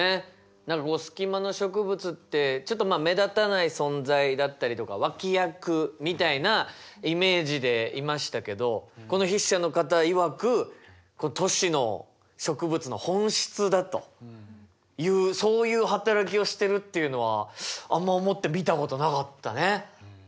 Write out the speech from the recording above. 何かこうスキマの植物ってちょっとまあ目立たない存在だったりとか脇役みたいなイメージでいましたけどこの筆者の方いわく都市の植物の本質だというそういう働きをしてるっていうのはあんま思って見たことなかったね。